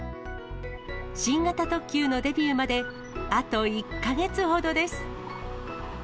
新型特急のデビューまで、あと１か月ほどです。